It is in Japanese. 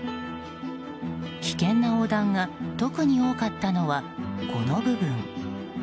危険な横断が特に多かったのはこの部分。